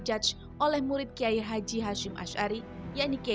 pada tahun seribu sembilan ratus dua belas nu menerima keuntungan di indonesia